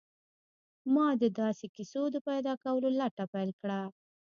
ما د داسې کیسو د پیدا کولو لټه پیل کړه